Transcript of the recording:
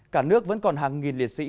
cả nước vẫn còn hàng nghìn liệt sĩ